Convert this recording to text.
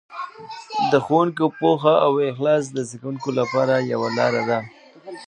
د ښوونکي پوهه او اخلاص د زده کوونکو لپاره یوه لاره ده.